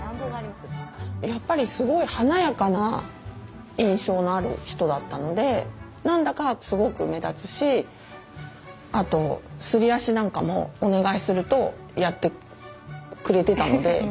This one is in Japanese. やっぱりすごい華やかな印象のある人だったので何だかすごく目立つしあとすり足なんかもお願いするとやってくれてたので。